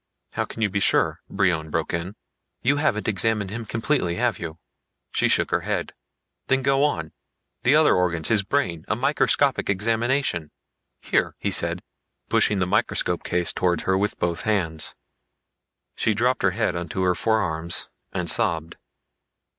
"How can you be sure?" Brion broke in. "You haven't examined him completely, have you?" She shook her head. "Then go on. The other organs. His brain. A microscopic examination. Here!" he said, pushing the microscope case towards her with both hands. She dropped her head onto her forearms and sobbed.